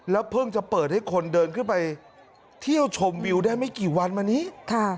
เพิ่งจะเปิดให้คนเดินขึ้นไปเที่ยวชมวิวได้ไม่กี่วันมานี้